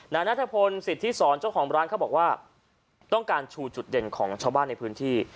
นัทพลสิทธิศรเจ้าของร้านเขาบอกว่าต้องการชูจุดเด่นของชาวบ้านในพื้นที่